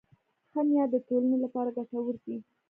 ښه نیت د ټولنې لپاره ګټور دی.